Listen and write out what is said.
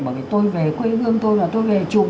mà tôi về quê hương tôi tôi về trùm